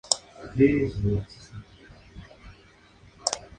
Dio nombre a los Calders, barones de Segur.